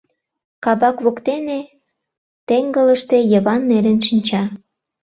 Кабак воктене теҥгылыште Йыван нерен шинча.